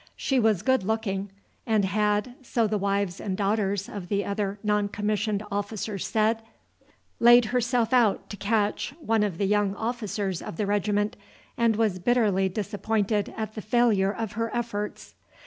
She was good looking, and had, so the wives and daughters of the other non commissioned officers said, laid herself out to catch one of the young officers of the regiment, and was bitterly disappointed at the failure of her efforts.